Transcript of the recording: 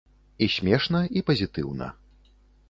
І смешна, і пазітыўна.